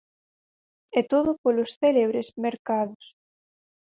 E todo polos célebres mercados.